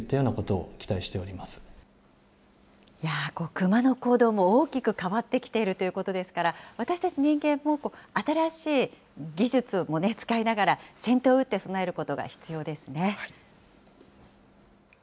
クマの行動も大きく変わってきているということですから、私たち人間も、新しい技術もね、使いながら、先手を打って備えることが必要ですね。